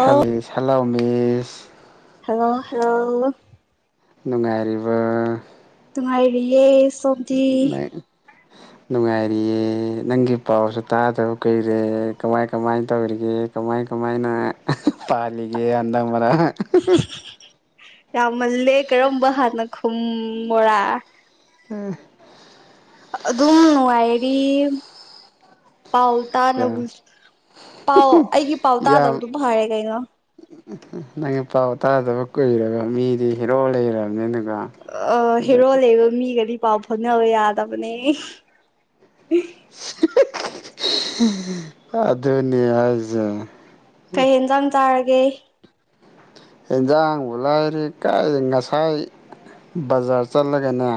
ꯍꯂꯦꯁ ꯍꯂꯧ ꯃꯤꯁ hello hello ꯅꯨꯡꯉꯥꯏꯔꯤꯕꯣ ꯇꯨꯡꯉꯥꯏꯔꯤꯌꯦꯁ [inaudible] ꯅꯨꯡꯉꯥꯏꯔꯤꯌꯦ ꯅꯪꯒꯤ ꯄꯥꯎꯁꯨ ꯇꯥꯗꯕ ꯀꯨꯏꯔꯦ ꯀꯃꯥꯏ ꯀꯃꯥꯏꯅ ꯇꯧꯔꯤꯒꯦ ꯀꯃꯥꯏ ꯀꯃꯥꯏꯅ ꯄꯥꯜꯂꯤꯒꯦ ꯑꯟꯗ ꯃꯔꯥꯛ ꯌꯥꯝꯃꯜꯂꯦ ꯀꯔꯝꯕ ꯍꯥꯟꯅ ꯈꯨꯝꯃꯣꯔꯥ ꯎꯝ ꯑ ꯑꯗꯨꯝ ꯅꯨꯡꯉꯥꯏꯔꯤꯝ ꯄꯥꯎ ꯌꯥꯝ ꯇꯥꯅꯕꯁꯨ ꯄꯥꯎ ꯑꯩꯒꯤ ꯄꯥꯎ ꯇꯥꯗꯕꯗꯨꯝ ꯐꯔꯦ ꯀꯩꯅꯣ ꯅꯪꯅ ꯄꯥꯎ ꯇꯥꯗꯕ ꯀꯨꯏꯔꯕ ꯃꯤꯗꯤ ꯍꯤꯔꯣ ꯂꯩꯔꯕꯅꯤ ꯑ ꯍꯦꯔꯣ ꯂꯩꯕ ꯃꯤꯒꯗꯤ ꯄꯧ ꯐꯧꯅꯕ ꯌꯥꯗꯕꯅꯤ [unintelligible] ꯑꯗꯨꯅꯤ ꯍꯥꯏꯖꯦ ꯀꯩ ꯍꯦꯟꯖꯥꯡ ꯆꯥꯔꯒꯦ [unintelligible] ꯍꯦꯟꯖꯥꯡꯕꯨ ꯂꯥꯏꯔꯤ ꯀꯥꯏ ꯉꯁꯥꯏ ꯕꯖꯥꯔ ꯆꯠꯂꯒꯅꯦ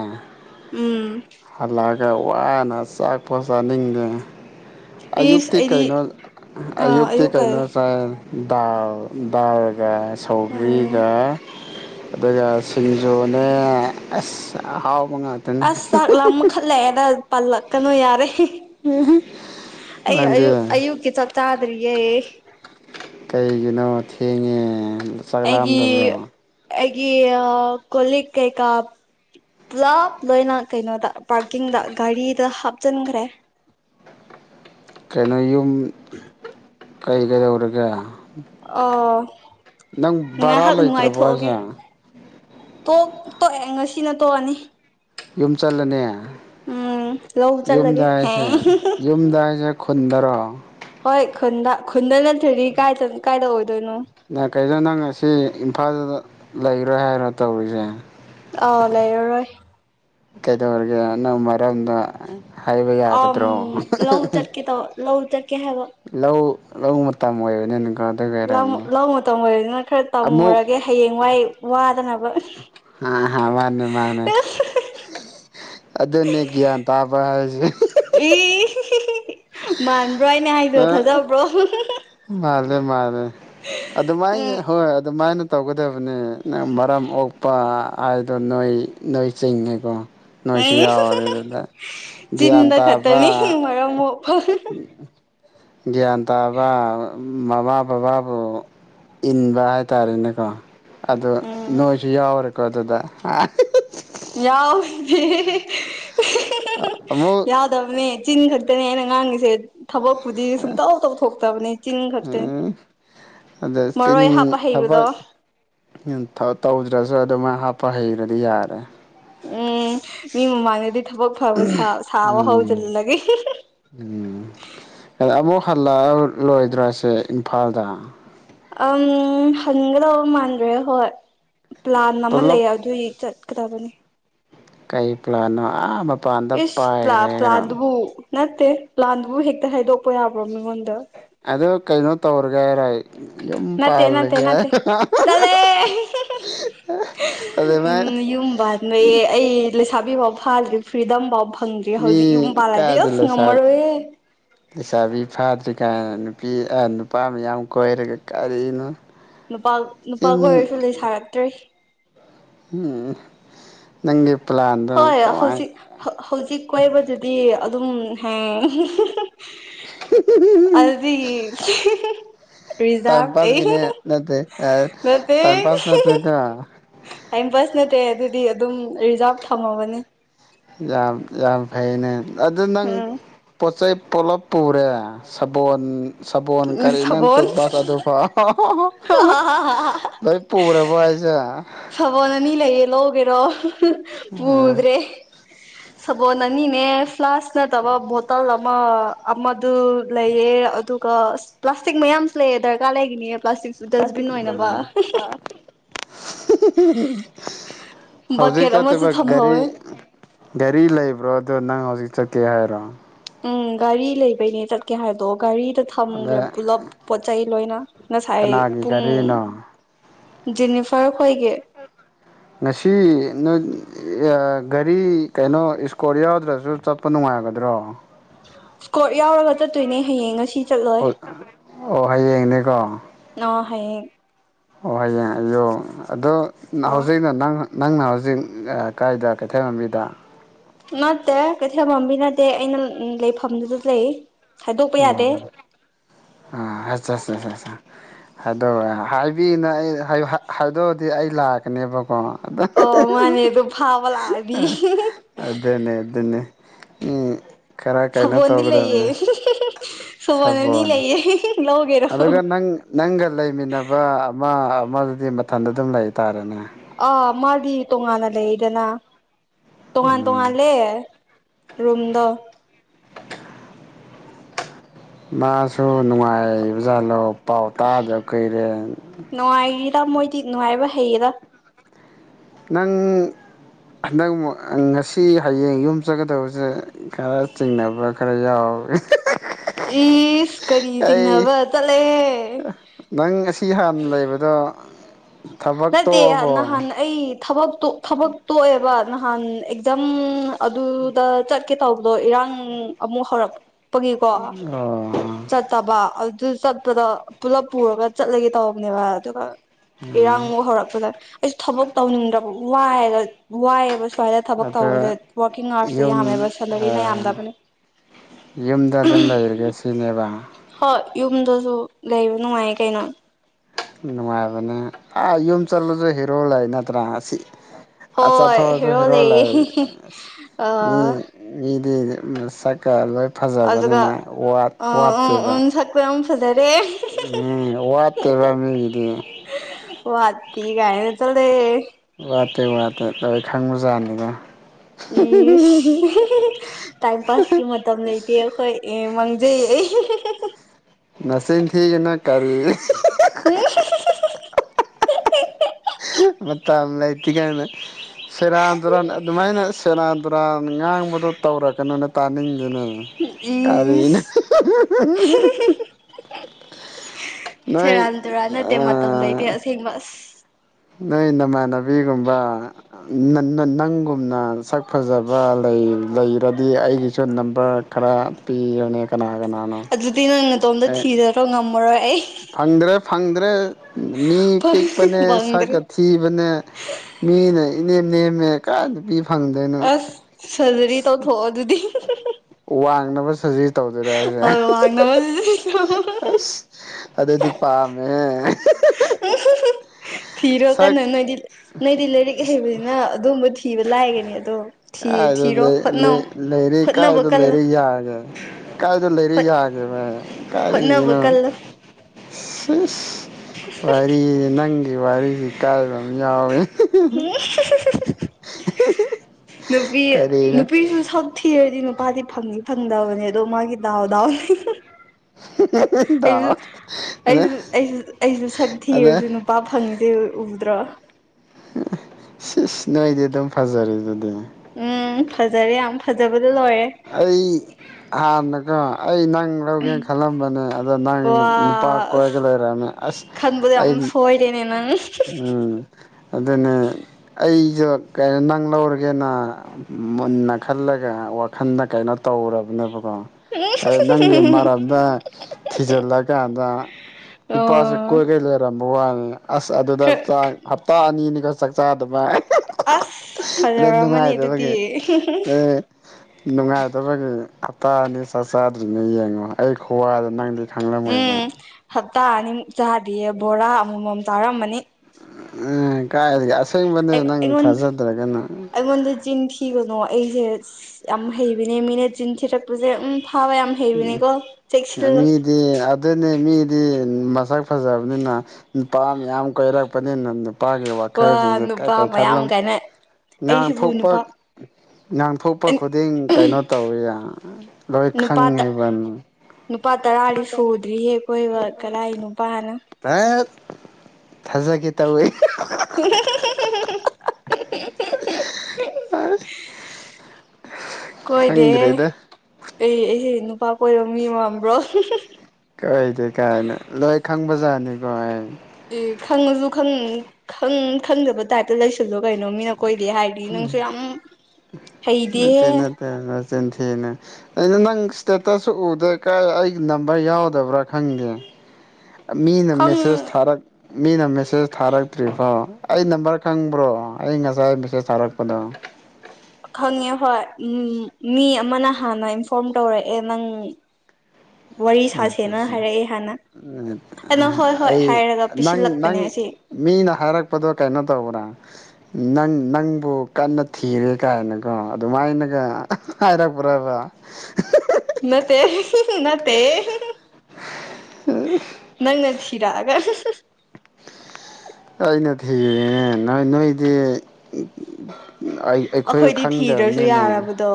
ꯎꯝ ꯍꯜꯂꯛꯑꯒ ꯋꯥꯅ ꯆꯥꯛꯄꯣ ꯆꯥꯅꯤꯡꯗꯦ ꯏꯁ ꯑꯌꯨꯛꯇꯤ ꯑꯩꯗꯤ ꯀꯩꯅꯣ ꯑꯥ ꯑꯌꯨꯛꯇꯤ ꯑꯌꯨꯛ ꯀꯩ ꯀꯩꯅꯣ ꯆꯥꯏꯌꯦ ꯗꯥꯜ ꯗꯥꯜ ꯒꯥꯏ ꯎꯝ ꯁꯥꯎꯒꯔꯤꯒ ꯑꯗꯨꯒ ꯁꯤꯡꯖꯨꯅꯦ ꯑꯁ ꯑꯍꯥꯎ ꯕ ꯉꯥꯛꯇꯅꯦ ꯂꯝ ꯃꯈꯥꯠꯂꯑꯦꯗ ꯄꯜꯂꯛꯀꯅꯨ ꯌꯥꯔꯦ ꯑꯩ ꯅꯪꯗꯤ ꯑꯌꯨꯛ ꯑꯌꯨꯛꯀꯤ ꯆꯥꯛ ꯆꯥ ꯐꯔꯤꯌꯦ ꯀꯩꯒꯤꯅꯣ ꯊꯦꯡꯉꯦ ꯆꯒꯂꯥꯑꯝꯗꯕ꯭ꯔꯣ ꯒꯤ ꯀꯣꯂꯤꯛ ꯀꯩꯀꯥ ꯄꯨꯂꯞ ꯂꯣꯏꯅ ꯀꯩꯅꯣꯗ ꯄꯥꯔꯀꯤꯡꯗ ꯒꯥꯔꯤꯗ ꯍꯥꯞꯆꯟꯈ꯭ꯔꯦ ꯀꯩꯅꯌꯨꯝ ꯀꯨ ꯀꯩ ꯀꯩꯗꯧꯔꯒꯦ ꯑ ꯅꯪ ꯚꯔꯥ ꯂꯩꯇ꯭ꯔꯕꯣ ꯍꯥꯏꯁꯦ ꯇꯣꯛ ꯇꯣꯛꯑꯦ ꯉꯁꯤꯅ ꯇꯣꯛꯑꯅꯤ ꯌꯨꯝ ꯆꯜꯂꯅꯦ ꯎꯝ ꯂꯧ ꯌꯨꯝꯗ ꯆꯠꯂꯒꯦ ꯍꯦ ꯍꯥꯏꯁꯦ ꯌꯨꯝꯗꯥꯏꯁ ꯈꯟꯗ꯭ꯔ ꯍꯣꯏꯟꯗꯥ ꯈꯨꯟꯗ ꯅꯠꯇꯔꯤ ꯀ ꯀꯥꯏꯗ ꯑꯣꯏꯗꯣꯏꯅꯣ ꯅ ꯀꯩꯩꯅꯣ ꯅꯪ ꯉꯁꯤ ꯏꯝꯐꯥꯜꯗ ꯂꯩꯔꯣꯏ ꯍꯥꯏꯔꯣ ꯇꯧꯔꯤꯁꯦ ꯑ ꯂꯩꯔꯔꯣꯏ ꯀꯩꯗꯧꯔꯒ ꯅꯪ ꯃꯥꯔ ꯀꯝꯅ ꯍꯥꯏꯕ ꯑꯝ ꯌꯥꯒꯗ꯭ꯔꯣ ꯂꯧ ꯆꯠꯀꯦ ꯇꯧ ꯂꯧ ꯆꯠꯀꯦ ꯍꯥꯏꯕ ꯂꯧ ꯂꯧ ꯃꯇꯝ ꯑꯣꯏꯕꯅꯤ ꯂ ꯂꯥꯎꯃ ꯇꯝꯕ ꯈꯔ ꯑꯃꯨꯛ ꯇꯝꯃꯨꯔꯒꯦ ꯍꯌꯦꯡꯋꯥꯏ ꯋꯥꯗꯅꯕ ꯑ ꯍꯥ ꯃꯥꯅꯦ ꯃꯥꯅꯦ ꯑꯗꯨꯗ ꯅ ꯀꯌꯥ ꯇꯥꯕ ꯎꯝ ꯃꯥ ꯕ꯭ꯔꯣ ꯑꯩꯅ ꯍꯥꯏꯗꯣ ꯊꯥꯖꯕ꯭ꯔꯣ ꯃꯥꯅꯦ ꯃꯥꯅꯦ ꯑꯗꯨꯃꯥꯏ ꯎꯝ ꯍꯣꯏ ꯑꯗꯨꯃꯥꯏꯅ ꯇꯧꯒꯗꯕ ꯑꯗꯨꯅꯤ ꯅꯪ ꯃꯔꯝ ꯑꯣꯛꯄ ꯑꯥꯏꯗ ꯅꯣꯏ ꯅꯣꯏ ꯆꯤꯡꯤꯡꯉꯅꯦꯀꯣ ꯑ ꯒ꯭ꯌꯥꯟ ꯆꯤꯟꯗ ꯈꯛꯇꯅꯤ ꯇꯥꯕ ꯃꯔꯝ ꯃꯐꯝ ꯒ꯭ꯌꯥꯟ ꯇꯥꯕ ꯃꯃꯥ ꯕꯕꯥꯕꯨ ꯏꯟꯕ ꯍꯥꯏꯇꯥꯔꯦꯅꯦꯀꯣ ꯑꯗꯣ ꯎꯝ ꯅꯣꯏꯁꯨ ꯌꯥꯎꯔ ꯀ ꯑꯗꯨꯗ ꯍ ꯑ ꯑꯃꯨꯛ ꯆꯤꯟ ꯈꯛꯇꯅꯦ ꯑꯩ ꯅ ꯉꯥꯡꯉꯤꯁꯦ ꯊꯕꯛꯄꯨꯗꯤ ꯁꯨꯡꯇꯧ ꯇꯧꯊꯣꯛꯇꯕꯅꯤ ꯆꯤꯟ ꯈꯛꯇꯅꯤ ꯎꯝ ꯑꯗ ꯃꯔꯣꯏ ꯆꯤꯟ ꯍꯥꯞꯄ ꯍꯩꯕꯗꯣ ꯊꯕꯛ ꯗ ꯃ ꯍꯥꯄ ꯍꯩꯔꯗꯤ ꯌꯥꯔꯦ ꯎꯝ ꯃꯤ ꯃꯃꯥꯡꯗꯗꯤ ꯊꯕꯛ ꯐꯕ ꯁꯥ ꯁꯕ ꯎꯝ ꯍꯧꯖꯤꯜꯂꯒꯦ ꯍꯜꯂꯛ ꯂꯔꯣꯏꯗ꯭ꯔꯁꯦ ꯏꯝꯐꯥꯜꯗ ꯑꯪ ꯍꯟꯒ ꯗꯧꯕ ꯃꯥꯟꯗ꯭ꯔꯦ ꯑꯈꯣꯏ ꯄ꯭ꯂꯥꯟ ꯑꯃ ꯄꯨꯂꯞ ꯂꯩ ꯑꯗꯨꯏ ꯆꯠꯀꯗꯕꯅꯤ ꯀꯥꯏ ꯄ꯭ꯂꯥꯟꯅꯣ ꯑ ꯃ ꯏꯁ ꯄꯂꯥꯄ꯭ꯔꯥꯟꯗꯕꯨ ꯅꯠꯇꯦ ꯄꯂꯥꯟꯗꯨꯕꯨ ꯍꯦꯛꯇ ꯍꯥꯏꯗꯣꯛꯄ ꯌꯥꯕ꯭ꯔꯣ ꯃꯤꯉꯣꯟꯗ ꯑꯗ ꯀꯩꯅꯣ ꯇꯧꯔꯒꯦ ꯍꯥꯏꯔ ꯌꯨꯝ ꯅꯠꯇꯦ ꯅꯠꯇꯦ ꯄꯥꯜꯂꯒꯦ ꯅꯠꯇꯦ ꯇꯜꯂꯦꯑꯦ ꯎꯝ ꯑꯗꯨꯃꯥꯏ ꯌꯨꯝ ꯕꯥꯟꯌꯦ ꯑꯩ ꯂꯩꯁ ꯊꯕꯤ ꯋꯥ ꯐ ꯐ꯭ꯔꯤꯗꯝ ꯕꯥꯎꯕ ꯃꯤ ꯀꯗꯂꯁ ꯁꯥ ꯑ ꯂꯩꯁꯕꯤ ꯐꯥꯗꯔꯤ ꯀꯥꯏꯅ ꯅꯨꯄꯤ ꯅꯨꯄꯥ ꯃꯌꯥꯝ ꯀꯣꯏꯔꯒ ꯀꯔꯤꯅꯣ ꯅꯨꯄꯥ ꯅꯨꯄꯥ ꯆꯤꯟ ꯀꯣꯏꯔꯁꯨ ꯂꯩꯁꯥꯔꯛꯇ꯭ꯔꯦ ꯎꯝ ꯅꯪ ꯍꯣꯏ ꯍꯧꯖꯤꯛ ꯍꯧꯖꯤꯛ ꯀꯣꯏꯕꯗꯨꯗꯤ ꯑꯗꯨꯝ ꯍꯦ [unintelligible] ꯇꯥꯏꯝ ꯄꯥꯁ ꯀꯅꯦ ꯅꯠꯇꯦ ꯑ ꯅꯠꯇꯦ ꯇꯥꯏꯝ ꯄꯥꯁ ꯅꯠꯇꯦ ꯀꯣ ꯇꯥꯏꯝ ꯄꯥꯁ ꯅꯠꯇꯦ ꯑꯗꯨꯗꯤ ꯑꯗꯨꯝ ꯔꯤꯖꯥꯔꯚ ꯊꯝꯃꯕꯅꯤ ꯑꯩꯅ ꯑꯗꯨꯗ ꯅꯪ ꯎꯝ ꯄꯣꯠ ꯆꯩ ꯄꯣꯂꯞ ꯄꯨꯔꯦ ꯁꯥꯕꯣꯟ ꯁꯥꯕꯣꯟ ꯀꯔꯤ ꯅꯪ ꯁꯕꯣꯜ ꯇꯨꯠ ꯋꯥꯁ ꯑꯗꯨ ꯐꯣ ꯂꯣꯏ ꯄꯨꯔꯕꯣ ꯍꯥꯏꯁꯦ ꯁꯕꯜ ꯑꯅꯤ ꯂꯩꯌꯦ ꯂꯧꯒꯦꯔꯣ ꯄꯨꯗ꯭ꯔꯦ ꯁꯕꯣ ꯑꯅꯤꯅꯦ ꯐ꯭ꯂꯥꯁ ꯅꯠꯇꯕ ꯕꯣꯇꯜ ꯑꯃ ꯑꯃꯗꯨ ꯂꯩꯔꯦ ꯑꯗꯨꯒ ꯑꯁ ꯄ꯭ꯂꯥꯁꯇꯤꯛ ꯃꯌꯥꯝꯁꯨ ꯂꯩꯌꯦ ꯗꯔꯀꯥꯔ ꯂꯩꯀꯅꯤꯌꯦ ꯄ꯭ꯂꯥꯁꯇꯤꯛꯁꯨ ꯗꯁꯕꯤꯟ ꯑꯣꯏꯅꯕ ꯍꯧꯖꯤꯛ ꯕꯛꯀꯦꯠ ꯑꯃꯁꯨ ꯆꯠꯇꯔꯤꯕ ꯒꯥꯔꯤ ꯊꯝꯍꯧꯋꯦ ꯒꯥꯔꯤ ꯂꯩꯕ꯭ꯔꯣ ꯗꯣ ꯅꯪ ꯍꯧꯖꯤꯛ ꯆꯠꯀꯦ ꯍꯥꯏꯔꯣ ꯎꯝ ꯒꯥꯔꯤ ꯂꯩꯕꯩꯅꯦ ꯆꯠꯀꯦ ꯍꯥꯏꯗꯣ ꯒꯥꯔꯤꯗ ꯊꯝꯈ꯭ꯔꯦ ꯑꯗ ꯄꯨꯂꯞ ꯄꯣꯠ ꯆꯩꯩ ꯂꯣꯏꯅ ꯉꯁꯥꯏ ꯀꯅꯥꯒꯤ ꯄꯨꯡ ꯒꯥꯔꯤꯅꯣ ꯖꯤꯅꯤꯐꯔ ꯈꯣꯏꯒꯤ ꯉꯁꯤ ꯅꯣꯏ ꯒꯥꯔꯤ ꯀꯩꯅꯣ ꯏꯁꯀꯣꯔ ꯌꯥꯎꯗ꯭ꯔꯁꯨ ꯆꯠꯄ ꯅꯨꯡꯉꯥꯏꯒꯗ꯭ꯔꯣ ꯏꯁꯀꯣꯔ ꯌꯥꯎꯔꯒ ꯆꯠꯇꯣꯏꯅꯦ ꯍꯌꯦꯡ ꯉꯁꯤ ꯆꯠꯂꯣꯏ ꯑꯣ ꯍꯌꯦꯡꯅꯦꯀꯣ ꯑ ꯍꯌꯦꯡ ꯑꯣ ꯍꯌꯦꯡ ꯑꯌꯣ ꯑꯗꯣ ꯍꯣꯏ ꯍꯧꯖꯤꯛ ꯑꯩꯅ ꯅꯪ ꯅꯪꯅ ꯍꯧꯖꯤꯛ ꯀꯥꯏꯗ ꯀꯩꯊꯦꯜ ꯃꯕꯤꯗ ꯅꯠꯇꯦ ꯀꯩꯊꯦꯜ ꯃꯝꯕꯤ ꯅꯠꯇꯦ ꯑꯩꯅ ꯂꯩꯐꯝꯗꯨꯗ ꯂꯩ ꯍꯥꯏꯗꯣꯛꯄ ꯌꯥꯗꯦ ꯑꯣ ꯑꯗ ꯍꯥꯏꯕꯤꯅ ꯑꯩ ꯍꯥꯏ ꯍꯥꯏꯗꯔꯗꯤ ꯑꯩ ꯂꯥꯛ ꯀꯅꯤꯕ ꯀꯣ ꯑꯣ ꯃꯥꯅꯦ ꯑꯗꯨ ꯐꯥꯕ ꯂꯥꯛꯑꯗꯤ ꯑꯗꯨꯅꯦ ꯑꯗꯨꯅꯦ ꯈꯔ ꯀꯩꯅꯣ ꯇꯧꯒꯗꯕꯅꯦ ꯁꯕꯥꯅꯤ ꯁꯥꯕꯣꯟ ꯂꯩꯥꯏꯌꯦ ꯑꯗꯨꯒ ꯅꯪ ꯅꯪꯒ ꯂꯩꯃꯤꯟꯅꯕ ꯑꯃ ꯃꯗꯨꯗꯤ ꯃꯊꯟꯗ ꯑꯗꯨꯝ ꯂꯩꯇꯥꯥꯔꯦꯅꯦ ꯑ ꯃꯥꯗꯤ ꯇꯣꯉꯅ ꯂꯩꯦ ꯏꯗꯅ ꯇꯣꯉꯥꯟ ꯇꯣꯉꯥꯟꯂꯦ ꯔꯣꯝꯗ ꯁꯣ ꯅꯨꯡꯉꯥꯏꯕ ꯖꯥꯠꯂꯣ ꯄꯥꯎ ꯇꯥꯗꯕ ꯀꯩꯔꯦꯟ ꯇ ꯃꯣꯏꯗꯤ ꯅꯨꯡꯉꯥꯏꯕ ꯍꯩꯌꯦꯗ ꯅꯪ ꯍꯟꯗꯪ ꯉꯁꯤ ꯍꯌꯦꯡ ꯌꯨꯝ ꯆꯠꯀꯗꯕꯁꯦ ꯈꯔ ꯆꯤꯡꯅꯕ ꯈꯔ ꯌꯥꯎꯋꯤ ꯏꯁ ꯀꯔꯤ ꯆꯤꯡꯅꯕ ꯆꯠꯂꯦ ꯅꯪ ꯑꯁꯤ ꯍꯥꯟꯅ ꯂꯩꯕꯗꯣ ꯊꯕꯛ ꯅꯠꯇꯦ ꯇꯣꯛꯑꯕꯣ ꯅꯍꯥꯟ ꯑꯩ ꯏ ꯊꯕ ꯊꯕꯛ ꯇꯣꯛꯑꯦꯕ ꯅꯍꯥꯟ ꯑꯦꯛꯖꯝ ꯑꯗꯨꯗ ꯆꯠꯀꯦ ꯇꯧꯕꯗꯣ ꯏꯔꯥꯡ ꯑꯃꯨꯛ ꯍꯧꯔꯛꯄ ꯄꯒꯤꯀꯣ ꯑꯣ ꯆꯠꯇꯕ ꯑꯗꯨ ꯑꯗꯨ ꯆꯠꯄꯗ ꯄꯨꯂꯞ ꯄꯨꯔꯒ ꯆꯠꯂꯒꯦ ꯇꯧꯕꯧꯕꯅꯦꯕ ꯑꯗꯨꯒ ꯏꯔꯥꯡ ꯍꯧꯔꯛꯄꯗ ꯑꯩꯁꯨ ꯊꯕꯛ ꯇꯧꯅꯤꯡꯗ꯭ꯔꯕ ꯋꯥꯏꯒ ꯋꯥꯏꯕ ꯑꯗ ꯌꯨꯝ ꯌꯥꯝꯃꯦꯕ ꯑ ꯁꯦꯂꯔꯤꯅ ꯌꯥꯝꯗꯕꯅꯦ ꯌꯨꯝꯗ ꯗꯨꯝ ꯂꯩꯔꯒꯦ ꯁꯤꯅꯦꯕ ꯍꯣꯏ ꯌꯨꯝꯗꯁꯨ ꯂꯩꯕ ꯅꯨꯡꯉꯥꯏꯌꯦ ꯀꯩꯅꯣ ꯅꯨꯡꯉꯥꯏꯕꯅꯦ ꯑꯥ ꯌꯨꯝ ꯆꯠꯂꯁꯨ ꯍꯤꯔꯣ ꯂꯩ ꯅꯠꯇ꯭ꯔꯥ ꯑꯁꯤ ꯍꯣꯏ ꯍꯦꯔꯣ ꯂꯩ ꯌꯦ ꯑ [unintelligible] ꯅꯁꯛꯀ ꯂꯣꯏ ꯐꯖꯕꯅꯤꯅ ꯑꯗꯨꯒ ꯋꯥꯠꯇꯦꯕ ꯐꯖꯩ ꯎꯝ ꯋꯥꯠ ꯇꯦꯕ ꯃꯤꯒꯤꯗꯤ [unintelligible] [unintelligible] ꯇꯂꯣꯏ ꯈꯪꯕꯖꯥꯠꯅꯤꯅ ꯏꯁ ꯇꯥꯏꯝ ꯄꯥꯁꯀꯤ ꯃꯇꯝ ꯂꯩ ꯇꯦ ꯑꯩꯈꯣꯏ ꯑꯦ ꯃꯥꯡꯖꯩ ꯑꯩ ꯅꯆꯤꯟ ꯊꯤꯒꯅ ꯀꫪꯤ ꯃꯇꯝ ꯂꯩꯇꯦ ꯀꯥꯏꯅ ꯁꯦꯔꯥꯟ ꯇꯨꯔꯥꯟ ꯑꯗꯨꯃꯥꯏꯅ ꯁꯦꯔꯥꯟ ꯇꯨꯔꯥꯟ ꯉꯥꯡꯕꯗꯣ ꯇꯧꯔꯛꯀꯅꯣꯅꯦ ꯇꯥꯅꯤꯡꯗꯦꯅꯦ ꯀꯔꯤꯅ ꯏꯁ ꯁꯦꯔꯥꯟ ꯇꯨꯔꯥꯟ ꯅꯠꯇꯦ ꯃꯇꯝ ꯂꯩꯇꯦ ꯑꯁꯦꯡꯕ ꯑꯁ ꯅꯣꯏ ꯅꯃꯥꯟꯅ ꯕꯤ ꯒꯨꯝꯕ ꯅ ꯅ ꯅꯪꯒꯨꯝꯅ ꯁꯛ ꯐꯖꯕ ꯂꯩ ꯂꯩ ꯔꯗꯤ ꯑꯩꯒꯤ ꯁꯨ ꯅꯝꯕꯔ ꯈꯔ ꯄꯤꯑꯣꯅꯦ ꯀꯅꯥ ꯀꯅꯥꯅꯣ ꯑꯩ ꯃꯣꯔ ꯑꯩ ꯐꯪꯗ꯭ꯔꯦ ꯃꯤ ꯄꯤꯛꯄꯅꯦ ꯐꯪꯗ꯭ꯔꯦ ꯁꯛꯀ ꯊꯤꯕꯅꯦ ꯃꯤꯅ ꯅꯦꯝ ꯃꯦꯝꯃꯦ ꯀꯥꯏꯗ ꯕꯤ ꯑꯁ ꯁꯔꯖꯔꯤ ꯇꯧꯊꯣꯛꯑꯣ ꯑꯗꯨꯗꯤ ꯋꯥꯡꯅꯕ [unintelligible] ꯇꯧꯖꯔꯁꯦ ꯑ ꯋꯥꯡꯅꯕ ꯑꯁ ꯑꯗꯨꯗꯤ ꯄꯥꯝꯃꯦꯍ [unintelligible] [unintelligible] ꯊꯤꯔꯣ ꯀꯟꯅ ꯅꯣꯏꯗꯤ ꯅꯣꯏꯗꯤ ꯂꯥꯏꯔꯤꯛ ꯍꯩꯕ ꯅꯤꯅ ꯑꯗꯨꯒꯨꯝꯕꯊꯤ ꯊꯤꯕ ꯂꯥꯏꯒꯅꯤ ꯑ ꯀꯥꯏꯗ ꯂꯩ ꯂꯩ ꯂꯩꯔꯤ ꯍꯣꯠꯅꯕ ꯀꯥꯏꯗ ꯀꯜꯂꯣ ꯂꯩꯔꯤ ꯌꯥꯒꯦ ꯀꯥꯏꯗ ꯂꯩꯔꯤ ꯍꯣꯠ ꯌꯥꯒꯦꯕ ꯍꯣꯠꯅꯕ ꯀꯔꯤꯅꯣ ꯀꯜꯂꯣ [unintelligible] ꯋꯥꯔꯤꯖꯦ ꯅꯪꯒꯤ ꯋꯥꯔꯤꯁꯤ ꯏꯀꯥꯏꯕ ꯑꯃ ꯌꯥꯎꯋꯦ [unintelligible] ꯅꯨꯄꯤ ꯀꯔꯤꯅꯣ ꯅꯨꯄꯤꯁꯨ ꯁꯛ ꯊꯤꯔꯗꯤ ꯄꯥꯗꯤ ꯐꯪꯗꯤ ꯐꯪꯗꯕꯅꯦ ꯑꯗꯣ ꯃꯥꯒꯤ ꯗꯥꯎ ꯗꯥꯎꯅꯤ ꯑꯩꯁꯨ ꯗꯥꯎ ꯑꯗ ꯑꯩꯁꯨ ꯑꯩꯁꯨ ꯑꯩꯁꯨ ꯁꯛ ꯑꯗ ꯊꯤꯔꯁꯨ ꯅꯨꯄꯥ ꯐꯪꯉꯤꯁꯦ ꯎꯗ꯭ꯔꯣ ꯁꯤꯁ ꯅꯣꯏꯗꯤ ꯑꯗꯨꯝ ꯐꯖꯔꯤ ꯗꯨꯗꯤ ꯎꯝ ꯐꯖꯔꯦ ꯌꯥꯝ ꯐꯖꯕ ꯂꯣꯏꯔꯦ ꯑꯩ ꯍꯥꯟꯅꯀꯣ ꯑꯩ ꯅꯪ ꯂꯧꯒꯦꯅ ꯈꯜꯂꯝꯕꯅꯦ ꯑꯗꯣ ꯅꯪ ꯋꯥ ꯅꯨꯄꯥ ꯑꯁ ꯀꯣꯏꯔꯒ ꯂꯩꯔꯝꯃꯦ ꯑꯁ ꯈꯟꯕꯗꯣ ꯑꯩ ꯌꯥꯝ ꯁꯣꯏꯔꯦꯅꯦ ꯅꯪ ꯎꯝ ꯑꯗꯨꯅꯦ ꯑꯩꯁꯨ ꯀꯩꯅꯣ ꯅꯪ ꯂꯧꯔꯒꯦꯅ ꯃꯨꯟꯅ ꯈꯜꯂꯒ ꯈꯟꯅ ꯀꯥꯏꯅꯣ ꯇꯧꯔꯕꯅꯦꯕ ꯑ ꯅꯪꯒꯤ ꯃꯔꯝꯗ ꯊꯤꯖꯤꯜꯂꯀꯥꯟꯗ ꯅꯨꯄꯥꯁꯨ ꯑꯣ ꯀꯣꯏꯈꯤ ꯂꯩꯔꯝ [unintelligible] ꯑꯁ ꯑꯗꯨꯗ ꯈꯔ [unintelligible] ꯍꯞꯇꯥ ꯑꯅꯤꯅꯤꯒ ꯆꯥꯛꯆꯥ ꯑꯗꯨꯃꯥꯏ ꯑꯁ ꯑꯗꯨ ꯐꯖꯔꯝꯃꯅꯤ ꯅꯨꯡꯉꯥꯏꯗ ꯑꯗꯨꯗꯤ [unintelligible] ꯑꯦ ꯅꯨꯡꯉꯥꯏꯗꯕꯒꯤ ꯍꯞꯇꯥ ꯑꯅꯤ ꯆꯥꯛ ꯆꯥꯗ꯭ꯔꯤꯅꯦ ꯌꯦꯡꯉꯣ ꯑꯩ ꯈꯨꯋꯥꯗꯣ ꯅꯪꯗꯤ ꯈꯥꯡꯂꯝꯃꯣꯏ ꯅꯪ ꯇꯥ ꯑꯅꯤꯃꯨꯛ ꯆꯥꯗꯤꯌꯦ ꯕꯣꯔꯥ ꯑꯃꯃꯝ ꯆꯥꯔꯝꯃꯅꯤ [unintelligible] ꯑ ꯀꯥꯏꯗꯒꯤ ꯑꯁꯦꯡꯕꯅꯦ ꯑꯩ ꯅꯪ ꯑꯩꯉꯣꯟ ꯊꯥꯖꯗ꯭ꯔꯒ ꯅꯪ ꯑꯩꯉꯣꯟꯗ ꯆꯤꯟ ꯊꯤꯒꯅꯣ ꯑꯩꯁꯦ ꯌꯥꯝ ꯍꯩꯕꯅꯦ ꯃꯤꯅ ꯆꯤꯟ ꯊꯤꯔꯛꯄꯁꯦ ꯎꯝ ꯐꯥꯕ ꯌꯥꯝ ꯎꯝ ꯍꯩꯕꯅꯦꯀꯣ ꯆꯦꯛꯁꯤꯜꯂꯨ ꯃꯤꯗꯤ ꯑꯗꯨꯅꯦ ꯃꯤ ꯗꯤ ꯃꯁꯛ ꯐꯖꯕꯅꯤꯅ ꯅꯨꯄꯥ ꯃꯌꯥꯝ ꯀꯣꯏꯔꯛꯄꯅꯤꯅ ꯅꯨꯄꯥꯒꯤ ꯋꯥ ꯋꯥꯈꯜꯁꯤꯡꯁꯦ ꯀꯥꯏ ꯅꯨꯄꯥ ꯀꯥꯏ ꯈꯜꯂꯝ ꯃꯌꯥꯝ ꯀꯥꯏꯅ ꯉꯥꯡ ꯑꯩꯁꯤꯕꯨ ꯊꯣꯛꯄ ꯅꯨꯄꯥ ꯉꯥꯡ ꯊꯣꯛꯄ ꯈꯨꯗꯤꯡ ꯀꯩꯅꯣ ꯇꯧꯋꯤ ꯑꯥ ꯂꯣꯏ ꯅꯨꯄꯥ [unintelligible] ꯅꯨꯄꯥ ꯇꯔꯥꯗꯤ ꯁꯨꯗ꯭ꯔꯤꯍꯦ ꯀꯣꯏꯕ ꯀꯔꯥꯏ ꯅꯨꯄꯥꯅꯣ ꯊꯖꯒꯦ ꯇꯧꯋꯦ ꯀꯣꯏꯗ ꯈꯪꯗ꯭ꯔꯦꯗ ꯑꯩ ꯄꯥꯛ ꯀꯣꯏꯕ ꯃꯤ ꯃꯥꯟꯕ꯭ꯔꯣ ꯀꯩꯗ ꯀꯥꯏꯅ ꯂꯣꯏ ꯈꯪꯕꯖꯥꯠꯅꯤꯀꯣ ꯑꯩ ꯑꯦ ꯈꯪꯉꯁꯨ ꯈꯪꯗꯕ ꯇꯥꯏꯞꯇ ꯂꯩꯁꯜꯂꯣ ꯀꯩꯅꯣ ꯃꯤꯅ ꯀꯣꯏꯗꯦ ꯍꯥꯏꯗꯤ ꯅꯪꯁꯨ ꯌꯥꯝ ꯍꯩꯗꯦ ꯆꯤꯟꯊꯤꯅꯦ ꯑꯩꯅ ꯅꯪ ꯏꯁꯇꯦꯇꯁꯁꯨ ꯎꯗ꯭ꯔꯦ ꯀꯥꯏ ꯑꯩꯒꯤ ꯅꯝꯕꯔ ꯌꯥꯎꯗꯕ꯭ꯔꯥ ꯈꯪꯗꯦ ꯃꯤꯅ ꯈꯪ ꯃꯦꯁꯦꯁ ꯊꯥꯔꯛ ꯃꯤꯅ ꯃꯦꯁꯦꯖ ꯊꯥꯔꯛꯇ꯭ꯔꯤꯐꯣ ꯑꯩ ꯅꯝꯕꯔ ꯈꯪꯕ꯭ꯔꯣ ꯑꯩ ꯉꯁꯥꯏ ꯃꯦꯁꯦꯖ ꯊꯥꯔꯛꯄꯗꯣ ꯈꯪꯉꯦ ꯍꯣꯏ ꯎꯝ ꯃꯤ ꯑꯃꯅ ꯍꯥꯟꯅ ꯏꯟꯐꯣꯔꯝ ꯇꯧꯔꯛꯑꯦ ꯅꯪ ꯋꯥꯔꯤ ꯑ ꯑ ꯁꯥꯁꯦꯅ ꯍꯥꯏꯔꯛꯑꯦ ꯍꯥꯟꯅ ꯑꯩꯅ ꯍꯣꯏ ꯍꯣꯏ ꯑꯩ ꯍꯥꯏꯔꯒ ꯅꯪ ꯅꯪ ꯄꯤꯁꯤꯜꯂꯛꯄꯅꯦ ꯑꯁꯤ ꯃꯤꯅ ꯍꯥꯏꯔꯛꯄꯗꯣ ꯀꯩꯅꯣ ꯇꯧꯕ꯭ꯔꯥ ꯅꯪ ꯅꯪꯕꯨ ꯀꯟꯅ ꯊꯤꯔꯦ ꯀꯥꯏꯅꯀꯣ ꯑꯗꯨꯃꯥꯏꯅꯒ ꯍꯥꯏꯔꯛꯄ꯭ꯔꯕ ꯅꯠꯇꯦ ꯅꯠꯇꯦ ꯅꯪꯅ ꯊꯤꯔꯛꯑꯒ ꯑꯩ ꯅ ꯍ ꯏ ꯀ ꯑꯩꯈꯣꯏ ꯑꯩꯈꯣꯏꯗꯤ ꯊꯤꯗ꯭ꯔꯁꯨ ꯈꯪꯗꯕꯅꯤꯅ ꯌꯥꯔꯕꯗꯣ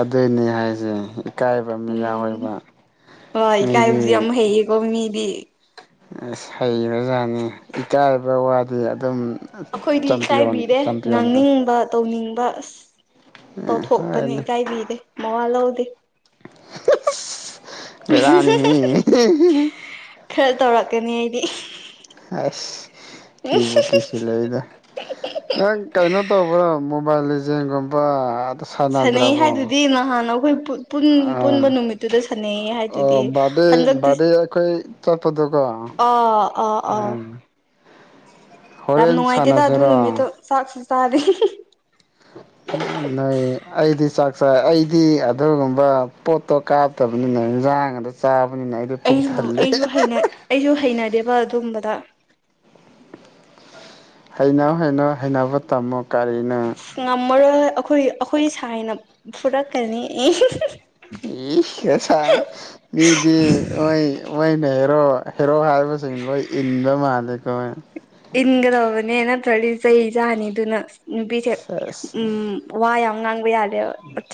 ꯑꯗꯨꯅꯦ ꯍꯥꯏꯁꯦ ꯏꯀꯥꯏꯕ ꯑꯃ ꯎꯝ ꯌꯥꯎꯋꯦꯕ ꯍꯣꯏ ꯏ ꯀꯥꯏ ꯍꯧꯖꯤ ꯑꯃ ꯍꯩꯌꯦꯀꯣ ꯃꯤꯗꯤ ꯁꯥꯏ ꯖꯥꯅꯤ ꯏꯀꯥꯏꯕ ꯋꯥꯗ ꯑꯗꯤ ꯑꯗꯨꯝ ꯑꯩꯈꯣꯏꯗꯤ ꯆꯝꯄꯤꯌꯣꯟ ꯏꯥꯏꯕꯤꯔꯦ ꯆꯝꯄꯤꯌꯣꯟꯁꯦ ꯉꯥꯡꯅꯤꯡꯕ ꯇꯧꯅꯤꯡꯕ ꯁ ꯇꯧꯊꯣꯛꯄꯅꯦ ꯍꯣꯏꯅꯦ ꯀꯥꯏꯕꯤꯗꯦ ꯃꯋꯥ ꯂꯧꯗꯦ ꯕꯦꯔꯥꯅꯤꯍꯦ ꯈꯔ ꯇꯧꯔꯛꯀꯅꯤ ꯑꯩꯗꯤ ꯑꯁ ꯀꯤꯕꯨꯀꯤꯁꯤꯂꯗ ꯅꯪ ꯀꯩꯅꯣ ꯇꯧꯕ꯭ꯔꯣ ꯃꯣꯕꯥꯏꯜ ꯌꯦꯡꯒꯨꯝꯕ ꯁꯥꯟꯅꯩ ꯍꯥꯏꯗꯨꯗꯤ ꯅꯍꯥꯟ ꯑꯩꯈꯣꯏ ꯄꯨꯟꯕ ꯑꯥ ꯅꯨꯃꯤꯠꯇꯨꯗ ꯁꯥꯟꯅꯩꯌꯦ ꯍꯥꯏꯗꯨꯗꯤ ꯑꯣ ꯕꯥꯔꯗꯦ ꯍꯟꯗꯛꯇꯤ ꯕꯥꯔꯗꯦ ꯑꯩꯈꯣꯏ ꯆꯠꯄꯗꯣꯀꯣ ꯑꯥ ꯑꯥ ꯑꯥ ꯎꯝ ꯌꯥꯝ ꯍꯣꯔꯦꯟ ꯅꯨꯡꯉꯥꯏꯇꯦꯗ ꯑꯗꯨ ꯁꯥꯟꯅꯁꯤꯔꯣ ꯅꯨꯃꯤꯠꯇꯣ ꯆꯥꯛꯁꯨ ꯇꯔꯦ ꯅꯣꯏ ꯑꯩꯗꯤ ꯆꯥꯛ ꯆꯥꯏ ꯑꯩꯗꯤ ꯑꯗꯨꯒꯨꯝꯕ ꯄꯣꯠꯇꯣ ꯀꯥꯞꯇꯕꯅꯤꯅ ꯏꯟꯖꯥꯡꯒꯗ ꯆꯥꯕ ꯑꯩꯁꯨ ꯑꯩꯁꯨ ꯍꯩꯅ ꯑꯩꯁꯨ ꯍꯩꯅꯗꯦ ꯑꯗꯨꯕꯗ ꯍꯩꯅ ꯍꯩꯅꯧ ꯍꯩꯅꯅꯕ ꯇꯥꯝꯃꯣ ꯀꯔꯤꯅ ꯉꯝꯃꯔꯣꯏ ꯑꯩꯈꯣꯏ ꯑꯩꯈꯣꯏ ꯁꯥꯏꯅ ꯐꯨꯔꯛꯀꯅꯤ ꯏ ꯀꯁ ꯃꯤꯗꯤ ꯑꯣꯏ ꯑꯣꯏꯅꯦ ꯍꯦꯔꯣ ꯍꯦꯔꯣ ꯍꯥꯏꯔꯤꯕꯁꯤꯡ ꯂꯣ ꯏꯟꯕ ꯃꯥꯜꯂꯦ ꯀꯧꯋꯦ ꯏꯟꯗꯧꯅꯦꯦꯅ ꯆꯊꯂꯤ ꯆꯩꯖꯥꯅꯤꯗꯨꯅ ꯅꯨꯄꯤꯗ ꯁꯦꯁ ꯎꯝ ꯋꯥ ꯑꯉꯥꯡꯕꯤ ꯌꯥꯦ ꯤ ꯠ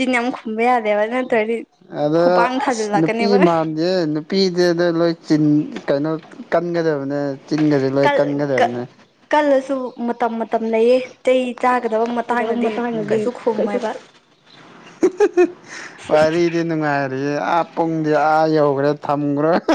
ꯑꯗ ꯑꯁ ꯅꯨꯄꯤ ꯊꯥꯖꯤꯜꯂꯛꯀꯅꯦꯕ ꯃꯥꯟꯗꯦ ꯅꯨꯄꯤꯗꯤ ꯑ ꯂꯣꯏ ꯆꯤꯟ ꯀꯩꯅꯣ ꯀꯟꯒꯗꯕꯅꯦ ꯆꯤꯟꯒꯁꯦ ꯂꯣꯏ ꯀꯜ ꯀ ꯀꯟꯒꯗꯕꯅꯦ ꯀꯂꯁꯨ ꯃ ꯇꯝꯅꯩꯌꯦ ꯇꯇꯩ ꯃꯇꯗꯤ ꯈꯨꯝꯃꯣꯏꯕ ꯋꯥꯔꯤꯗꯤ ꯅꯨꯡꯉꯥꯏꯔꯤꯌꯦ ꯥ ꯄꯨꯡꯗꯤ ꯑꯥ ꯌꯧꯈ꯭ꯔꯦ ꯊꯝꯈ꯭ꯔꯦ [inaudible] [inaudible]